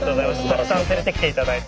たくさん連れてきて頂いて。